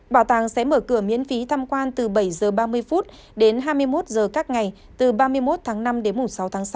bảo tàng sẽ mở cửa miễn phí tham quan từ bảy h ba mươi đến hai mươi một h các ngày từ ba mươi một tháng năm đến mùng sáu tháng sáu